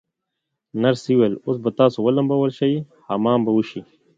نرسې وویل: اوس به تاسي ولمبول شئ، حمام به وشی.